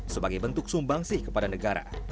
sebagai bentuk sumbangsih kepada negara